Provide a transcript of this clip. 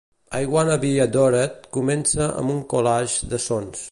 "I Wanna Be Adored" comença amb un collage de sons.